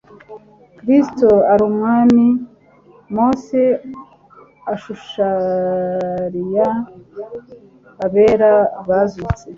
Kristo ari Umwami, Mose ashushariya abera bazutse,